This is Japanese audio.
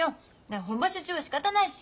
本場所中はしかたないし。